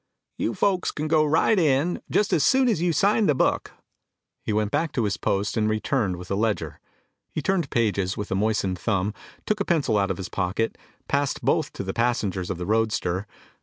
"You folks can go right in, just as soon as you sign the book." He went back to his post and returned with a ledger. He turned pages with a moistened thumb, took a pencil out of his pocket, passed both to the passengers of the roadster.